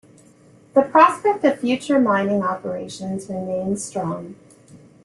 The prospect of future mining operations remains strong.